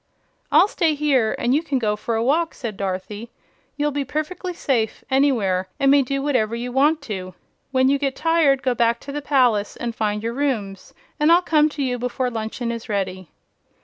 "I'll stay here, and you can go for a walk," said Dorothy. "You'll be perfec'ly safe anywhere, and may do whatever you want to. When you get tired, go back to the palace and find your rooms, and I'll come to you before luncheon is ready."